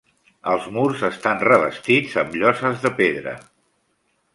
Els murs estan revestits amb lloses de pedra.